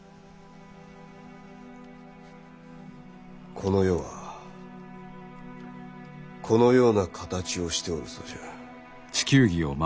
この世はこのような形をしておるそうじゃ。